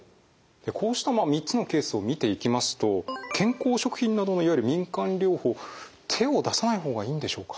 こうした３つのケースを見ていきますと健康食品などのいわゆる民間療法手を出さない方がいいんでしょうか？